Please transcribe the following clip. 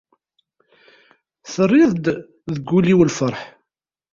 Terriḍ-d deg wul-iw lferḥ.